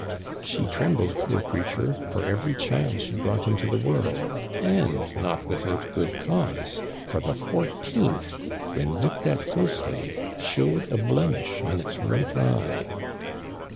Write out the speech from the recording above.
She trembled, poor creature, for every child she brought into the world, and not without good cause ; for the fourteenth, when looked at closely, showed a blemish on its right eye.'